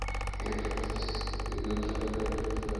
তিনি ফ্রান্সকে যুদ্ধের পথ হতে ফেরাতে পারেননি।